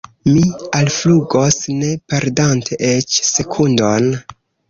Mi alflugos, ne perdante eĉ sekundon.